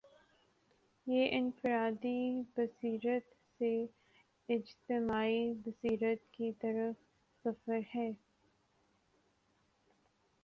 یہ انفرادی بصیرت سے اجتماعی بصیرت کی طرف سفر ہے۔